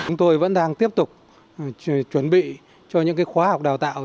chúng tôi vẫn đang tiếp tục chuẩn bị cho những khóa học đào tạo